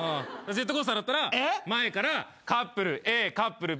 ジェットコースターだったら前からカップルＡカップルＢ